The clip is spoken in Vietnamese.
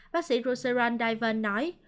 bác sĩ roussandra daivan nói